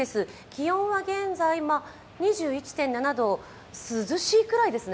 気温は現在２１．７度、涼しいくらいですね。